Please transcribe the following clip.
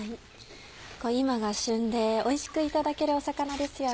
今が旬でおいしくいただける魚ですよね。